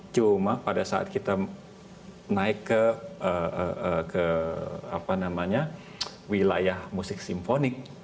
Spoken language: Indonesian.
cuma pada saat kita naik ke wilayah musik simfonik